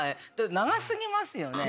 長過ぎますよね。